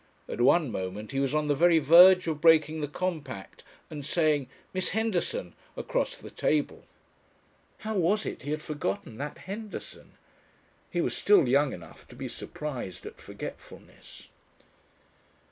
At one moment he was on the very verge of breaking the compact and saying "Miss Henderson" across the table.... How was it he had forgotten that "Henderson"? He was still young enough to be surprised at forgetfulness.